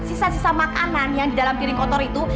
sisa sisa makanan yang di dalam diri kotor itu